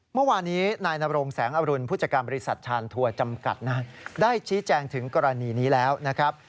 เมื่อวานนี้นายนรงแสงอรุณผู้จัดการบริษัทชานทัวร์จำกัดนะได้ชี้แจงถึงกรณีนี้แล้วนะครับ